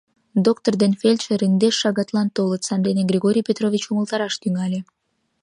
Доктор ден фельдшер индеш шагатлан толыт, сандене Григорий Петрович умылтараш тӱҥале.